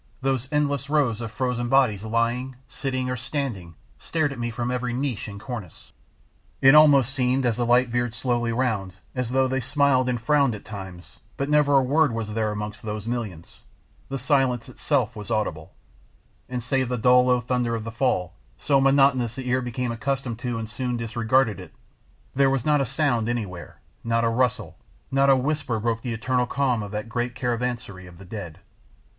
Those endless rows of frozen bodies lying, sitting, or standing stared at me from every niche and cornice. It almost seemed, as the light veered slowly round, as though they smiled and frowned at times, but never a word was there amongst those millions; the silence itself was audible, and save the dull low thunder of the fall, so monotonous the ear became accustomed to and soon disregarded it, there was not a sound anywhere, not a rustle, not a whisper broke the eternal calm of that great caravansary of the dead.